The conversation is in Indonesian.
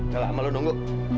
jangan lupa nunggu